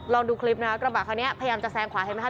ลองดูคลิปนะครับกระบะคันนี้พยายามจะแซงขวาเห็นไหมค